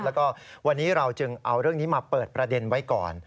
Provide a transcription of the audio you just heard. แล้วก็วันนี้เราจึงเอาเรื่องนี้มาเปิดประเด็นไว้ก่อน